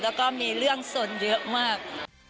แล้วก็มีเรื่องสนเยอะมาก